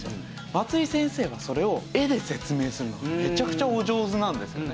松井先生はそれを絵で説明するのがめちゃくちゃお上手なんですよね。